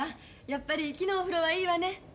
やっぱり木のお風呂はいいわね。